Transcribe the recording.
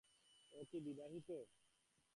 ও কি বিবাহিত?